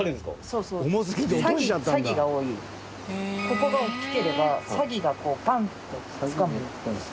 ここが大きければサギがこうパンッてつかんで。